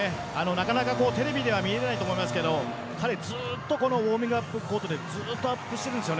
なかなかテレビでは見えないと思いますけど彼、ウォーミングアップコートでずっとアップしているんです。